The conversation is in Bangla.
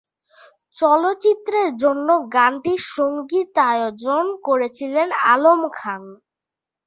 চলচ্চিত্রের জন্য গানটির সঙ্গীতায়োজন করেছিলেন আলম খান।